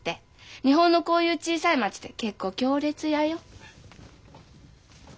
日本のこういう小さい町って結構強烈やよ。